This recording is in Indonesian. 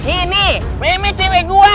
ini me cewek gua